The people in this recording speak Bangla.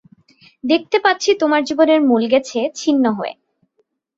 দেখতে পাচ্ছি তোমার জীবনের মূল গেছে ছিন্ন হয়ে।